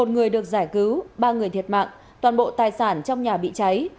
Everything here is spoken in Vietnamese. một người được giải cứu ba người thiệt mạng toàn bộ tài sản trong nhà bị cháy